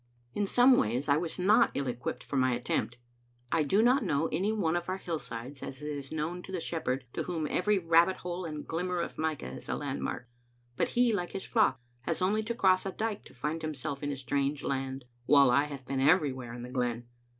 In some ways I was not ill equipped for my attempt. I do not know any one of our hillsides as it is known to the shepherd, to whom every rabbit hole and glimmer of mica is a landmark ; but he, like his flock, has only to cross a dike to find himself in a strange land, while I have been everywhere in the glen.